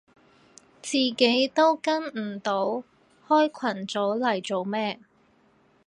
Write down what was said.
自己都跟唔到開群組嚟做咩